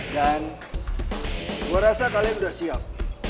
gue rasa kalian sudah siap